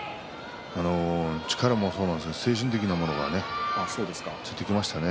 力もそうなんですけど精神的なものもついてきましたね。